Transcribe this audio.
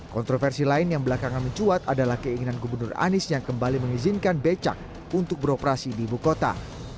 kontroversi lain yang belakangan mencuat adalah keinginan gubernur anies yang kembali mengizinkan becak untuk beroperasi di ibu kota